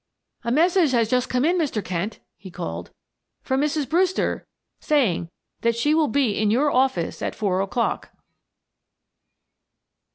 "A message has just come, Mr. Kent," he called, "from Mrs. Brewster saying that she will be in your office at four o'clock."